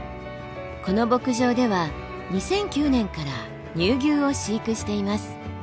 この牧場では２００９年から乳牛を飼育しています。